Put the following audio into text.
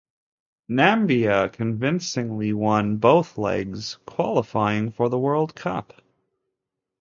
Namibia convincingly won both legs, qualifying for the World Cup.